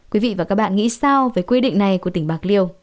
quý vị và các bạn nghĩ sao về quy định này của tỉnh bạc liêu